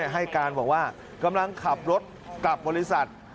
ให้การบอกว่ากำลังขับรถกลับบริษัท